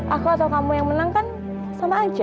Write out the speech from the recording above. aku atau kamu yang menang kan sama aja